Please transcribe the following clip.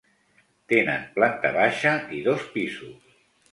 Tenen planta baixa i dos pisos.